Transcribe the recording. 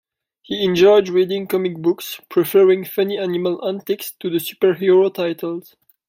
He enjoyed reading comic books, preferring funny animal antics to the superhero titles.